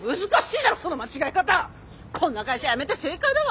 こんな会社辞めて正解だわ！